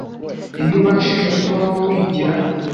iyo ubashije kubaho wigira,